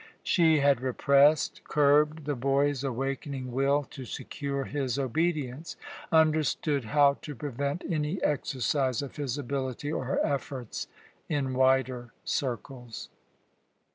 She had repressed, curbed the boy's awakening will to secure his obedience; understood how to prevent any exercise of his ability or efforts in wider circles.